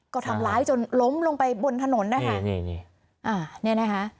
ก็ทำร้ายจนล้มลงไปบนถนนนะครับ